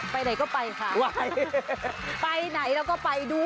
ไปไหนก็ไปค่ะไปไหนเราก็ไปดู